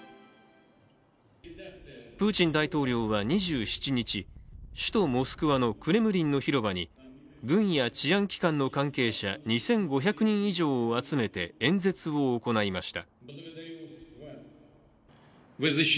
プーチン大統領は２７日、首都・モスクワのクレムリンの広場に軍や治安機関の関係者２５００人以上を集めて演説を行いました。